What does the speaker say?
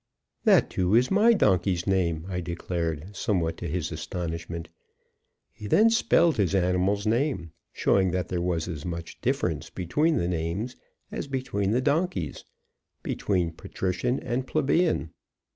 "That, too, is my donkey's name," I declared, somewhat to his astonishment. He then spelled his animal's name, showing that there was as much difference between the names as between the donkeys, between patrician and plebeian.